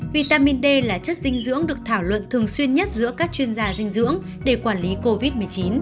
vitamin d là chất dinh dưỡng được thảo luận thường xuyên nhất giữa các chuyên gia dinh dưỡng để quản lý covid một mươi chín